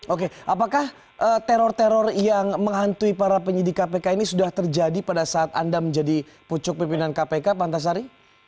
oke apakah teror teror yang menghantui para penyidik kpk ini sudah terjadi pada saat anda menjadi pucuk pimpinan kpk pak antasari